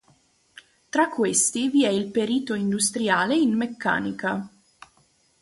Tra questi vi è il Perito Industriale in Meccanica.